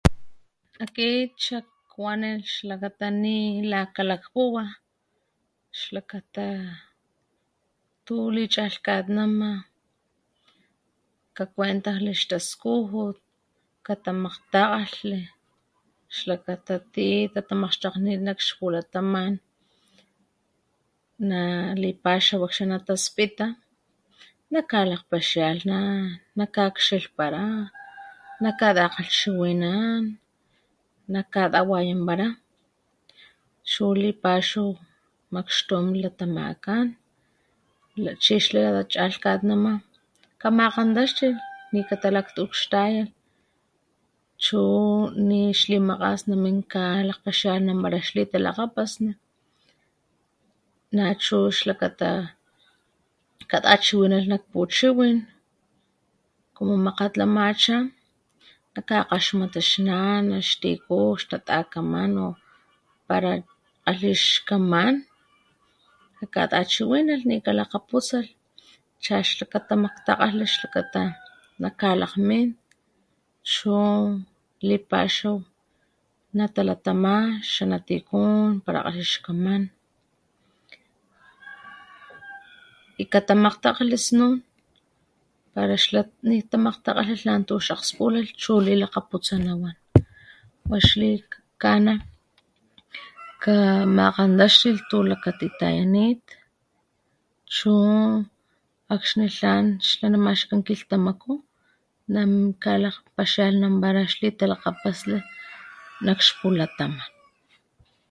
Akit xak kuanilh xlakata nilakalakpuwa , xlakata tu lichalhkatnama , kakuentajle ix taskujut , katamakgtakgalhli , xlakata ti tatamakgxtakgnit nak xpulataman na lipaxaw akxi nataspita nakalakgpaxialhnan , nakakxilhpara , nakatakalhchiwinan, nakatawayanpara, chu lipaxaw makxtum an latamakan la chi lata chalhtatnama kamakantaxtilh, nikatalaktukxtayalh chu ni xlimakgas na min kalakgpaxialhnanpara ix litalakapasni, nachu xlakata katachiwinalh nak puchiwin como makgat lamacha kakakaxmatnilh ix nana , xtiku, xnatakaman xlitalkagpasni para kgatlí ix kaman kakatachiwinalh ni kalakaputsalh , cha xla katamakgtakgalhli xkatata nakalakmin chu lipaxaw natalatama xanatikun para kgatli ix kaman y katamakgtakgalhli snun, para xla ni tamakgtakgatla tlan tu ix akspulalh chu lilakaputsa wa ix likana kamakgantaxtilh tu lilakatitayanit chu xla akxni tlan namaxkikan kilhtamaku nakalakgpaxialhnanpara ix litalakgapasni nak ix pulataman